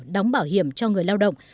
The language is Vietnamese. đóng bảo hiểm cho người lao động